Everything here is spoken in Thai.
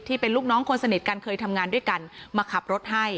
ที่เป็นลูกน้องคนสนิทกันเคยทำงานด้วยกันมาขับรถให้